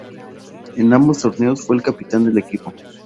En ambos torneos fue el Capitán del equipo.